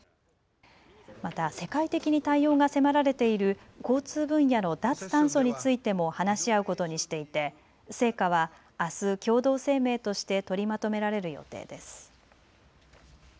また世界的に対応が迫られている交通分野の脱炭素についても話し合うことにしていて成果はあす共同声明として取りまとめられる予定です。